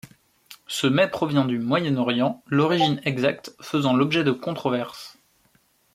Ce mets provient du Moyen-Orient, l'origine exacte faisant l'objet de controverses.